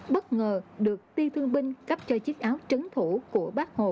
bất ngờ được tiên thương binh cắp cho chiếc áo trấn thủ của bác hồ